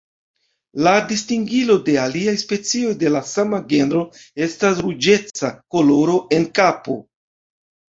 La distingilo de aliaj specioj de la sama genro estas ruĝeca koloro en kapo.